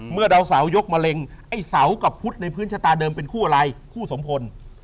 เมื่อดาวเสายกมะเร็งไอ้เสากับพุทธในพื้นชะตาเดิมเป็นคู่อะไรคู่สมพล